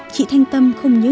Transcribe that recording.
chị thanh tâm không nhớ nổi